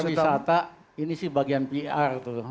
bagi para wisata ini sih bagian pr tuh